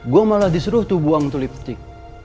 gue malah disuruh tuh buang tuh lipstick